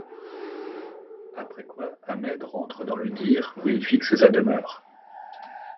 Après quoi, Ahmed rentre dans le Dhir, ou il fixe sa demeure.